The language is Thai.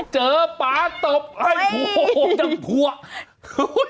เจอปลาตบอ้าวโห